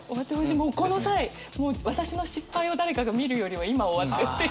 もうこの際もう私の失敗を誰かが見るよりは今終わってっていう感じ。